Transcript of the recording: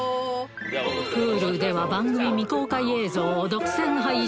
Ｈｕｌｕでは番組未公開映像を独占配信！